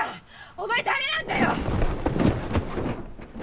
お前誰なんだよ！